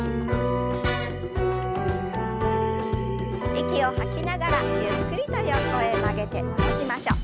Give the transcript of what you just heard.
息を吐きながらゆっくりと横へ曲げて戻しましょう。